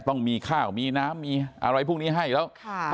ต้องมีข้าวมีน้ำมีอะไรพวกนี้ให้แล้ว